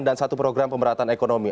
dan satu program pemerhatan ekonomi